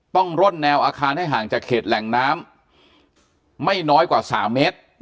ร่นแนวอาคารให้ห่างจากเขตแหล่งน้ำไม่น้อยกว่า๓เมตร